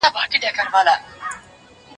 زه او ته به څنگه ښکار په شراکت کړو